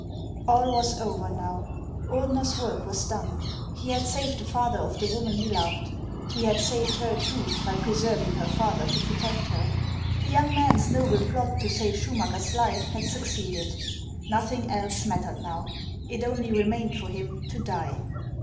ALL was over now ; Ordener's work was done. He bad saved the father of the woman he loved ; he had saved her too by preserving her father to protect her. The young man's noble plot to save Schumacker's life had succeeded ; nothing else mattered now ; it only remained for him to die.